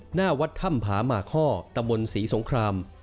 หน้าวัดถ้ำผาหมากข้อตะบนศรีสงคราม